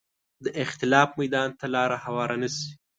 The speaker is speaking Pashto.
د اختلاف میدان ته لاره هواره نه شي